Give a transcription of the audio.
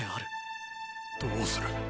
どうする。